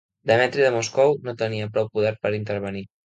Demetri de Moscou no tenia prou poder per intervenir.